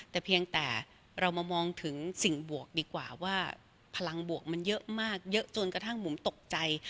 แต่เพียงแต่เรามามองถึงสิ่งบวกดีกว่าว่าพลังบวกมันเยอะมากเยอะจนกระทั่งบุ๋มตกใจ